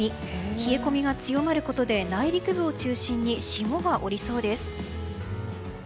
冷え込みが強まることで内陸部を中心に霜が降りそうです。